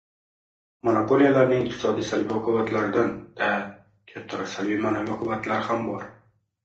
Monopoliyalarning iqtisodiy salbiy oqibatlaridan-da kattaroq – salbiy maʼnaviy oqibatlari ham bor.